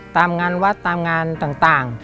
ตามงานวัดตามงานต่าง